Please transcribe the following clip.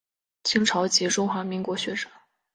清朝及中华民国学者。